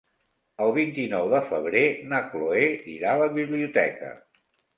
El vint-i-nou de febrer na Cloè irà a la biblioteca.